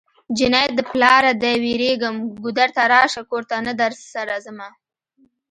جنۍ د پلاره دی ويريږم ګودر ته راشه کور ته نه درسره ځمه